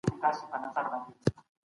کله به حکومت محکمه په رسمي ډول وڅیړي؟